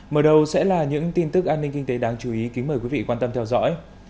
mở đầu sẽ là những tin tức an ninh kinh tế đáng chú ý kính mời quý vị quan tâm theo dõi